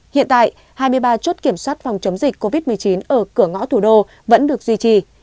hiện tại hai mươi ba chốt kiểm soát phòng chống dịch covid một mươi chín ở cửa ngõ thủ đô vẫn được duy trì